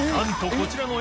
こちらの磴